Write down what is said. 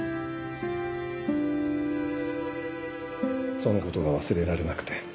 その事が忘れられなくて。